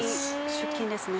出勤ですね。